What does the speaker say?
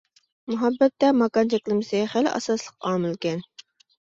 مۇھەببەتتە ماكان چەكلىمىسى خىلى ئاساسلىق ئامىلكەن.